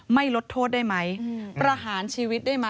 ไม่ลดโทษได้ไหมประหารชีวิตได้ไหม